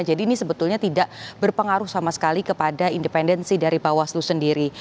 jadi ini sebetulnya tidak berpengaruh sama sekali kepada independensi dari bawaslu sendiri